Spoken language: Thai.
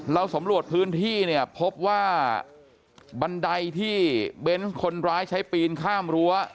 สำรวจพื้นที่เนี่ยพบว่าบันไดที่เบนส์คนร้ายใช้ปีนข้ามรั้ว